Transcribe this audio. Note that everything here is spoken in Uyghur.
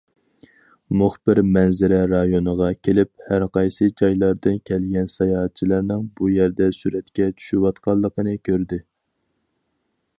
مۇخبىر مەنزىرە رايونىغا كېلىپ، ھەرقايسى جايلاردىن كەلگەن ساياھەتچىلەرنىڭ بۇ يەردە سۈرەتكە چۈشۈۋاتقانلىقىنى كۆردى.